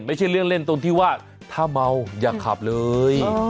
ไม่ใช่เรื่องเล่นตรงที่ว่าถ้าเมาอย่าขับเลย